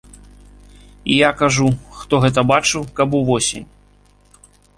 І я кажу, хто гэта бачыў, каб увосень.